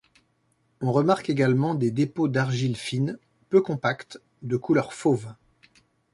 On remarque également des dépôts d'argile fine, peu compacte, de couleur fauve.